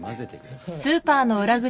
はい。